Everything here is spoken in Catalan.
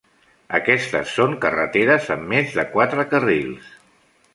Aquestes són carreteres amb més de quatre carrils.